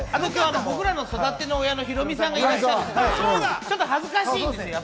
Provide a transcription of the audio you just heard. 僕らの育ての親のヒロミさんがいるから恥ずかしいです。